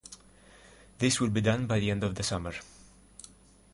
This will be done by the end of the summer.